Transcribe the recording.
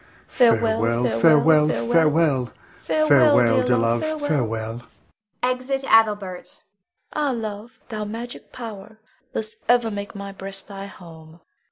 Farewell, farewell, farewell! Farewell, dear love, farewell! [Exit Adelbert. Bianca. Ah, love, thou magic power, thus ever make my breast thy home.